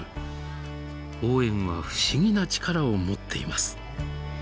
応援は不思議な力を持っています。